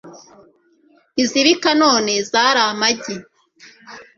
izibika none zari amagi